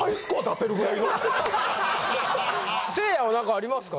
せいやは何かありますか？